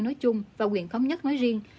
nói chung và quyền thống nhất nói riêng